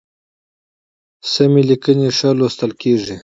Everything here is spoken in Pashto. سمي لیکنی ښی لوستل کیږي